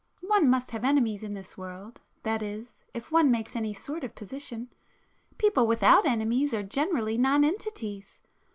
One must have enemies in this world,—that is, if one makes any sort of position,—people without enemies are generally nonentities.